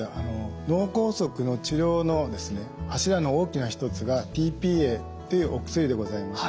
脳梗塞の治療の柱の大きな一つがｔ−ＰＡっていうお薬でございます。